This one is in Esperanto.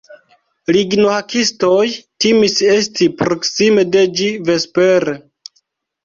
Lignohakistoj timis esti proksime de ĝi vespere.